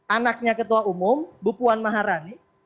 anaknya ketua umum bupuan maharani